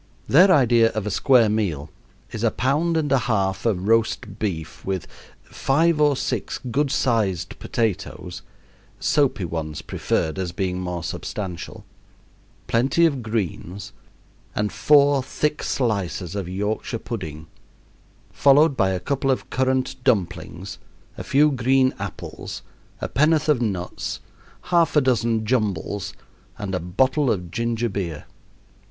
Their idea of a square meal is a pound and a half of roast beef with five or six good sized potatoes (soapy ones preferred as being more substantial), plenty of greens, and four thick slices of Yorkshire pudding, followed by a couple of currant dumplings, a few green apples, a pen'orth of nuts, half a dozen jumbles, and a bottle of ginger beer.